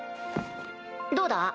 どうだ？